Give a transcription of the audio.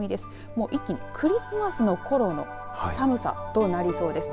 もう一気に、クリスマスのころの寒さとなりそうです。